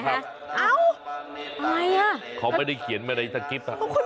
ของเขาไม่ได้เขียนมาในสะกิ๊บ